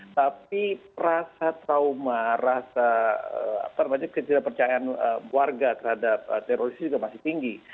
tapi rasa trauma rasa kecerdasan percayaan warga terhadap terorisme juga masih tinggi